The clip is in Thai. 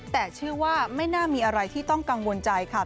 แต่เชื่อว่าไม่น่ามีอะไรที่ต้องกังวลใจค่ะ